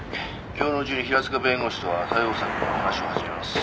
今日のうちに平塚弁護士とは対応策の話を始めます。